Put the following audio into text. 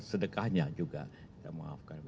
sedekahnya juga kita maafkan